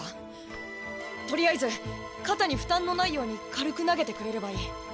とりあえず肩に負担のないように軽く投げてくれればいい。